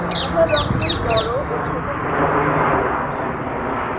উভয় বংশেই বড় ও ছোট প্রজাতি রয়েছে।